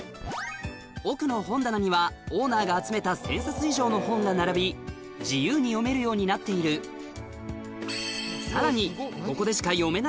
奥の本棚にはオーナーが集めた１０００冊以上の本が並び自由に読めるようになっているさらにえっ何？